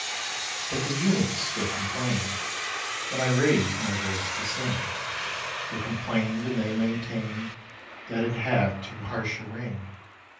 But the eunuchs still complained, When I raised my voice to sing They complained and they maintained That it had too harsh a ring.